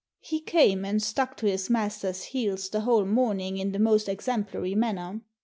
He came, and stuck to his master's heels the whole morning in the most exemplary manner.